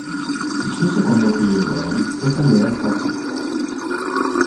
Il suo secondo figlio Dory prese allora il posto di Dany.